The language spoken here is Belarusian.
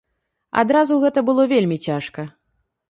Адразу гэта было вельмі цяжка.